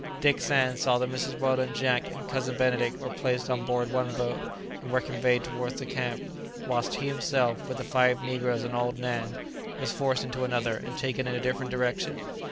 Dick Sands saw that Mrs. Weldon, Jack, and Cousin Benedict were placed on board one boat, and were conveyed towards the camp, whilst he himself, with the five negroes and old Nan, was forced into another, and taken in a different direction.